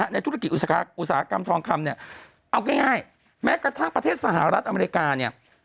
ในธุรกิจอุตสาหกรรมทองคำเนี่ยเอาง่ายแม้กระทั่งประเทศสหรัฐอเมริกาเนี่ย